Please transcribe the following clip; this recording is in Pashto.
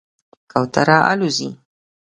کوتره الوځي.